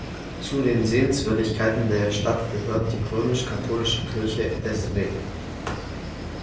Zu den Sehenswürdigkeiten der Stadt gehört die römisch-katholische Kirche "Św.